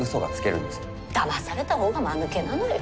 だまされた方がまぬけなのよ。